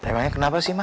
emangnya kenapa sih ma